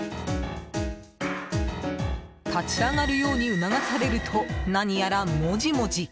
立ち上がるように促されると何やらモジモジ。